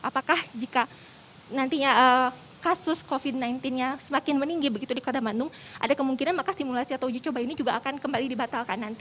apakah jika nantinya kasus covid sembilan belas nya semakin meninggi begitu di kota bandung ada kemungkinan maka simulasi atau uji coba ini juga akan kembali dibatalkan nanti